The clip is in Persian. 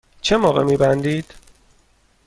چه موقع می بندید؟